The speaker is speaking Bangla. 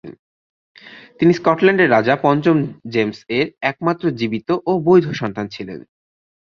তিনি স্কটল্যান্ডের রাজা পঞ্চম জেমস এর একমাত্র জীবিত ও বৈধ সন্তান ছিলেন।